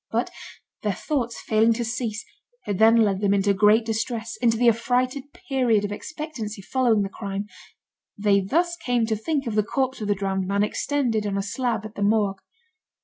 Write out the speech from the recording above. But their thoughts failing to cease, had then led them into great distress, into the affrighted period of expectancy following the crime. They thus came to think of the corpse of the drowned man extended on a slab at the Morgue.